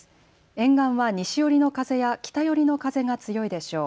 沿岸は西寄りの風や北寄りの風が強いでしょう。